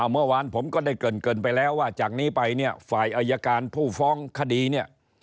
เมื่อวานผมก็ได้เกินไปแล้วว่าจากนี้ไปเนี่ยฝ่ายอายการผู้ฟ้องคดีเนี่ย